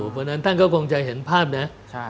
เพราะฉะนั้นท่านก็คงจะเห็นภาพนะ